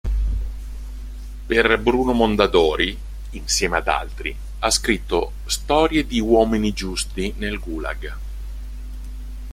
Per Bruno Mondadori, insieme ad altri, ha scritto "Storie di uomini giusti nel Gulag".